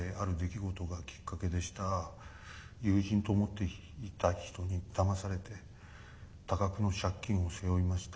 友人と思っていた人にだまされて多額の借金を背負いました。